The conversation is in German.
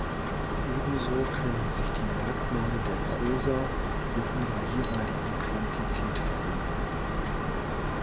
Ebenso können sich die Merkmale der Prosa mit ihrer jeweiligen Quantität verändern.